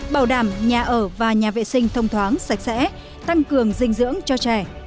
bảo đảm nhà ở và nhà vệ sinh thông thoáng sạch sẽ tăng cường dinh dưỡng cho trẻ